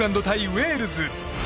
ウェールズ。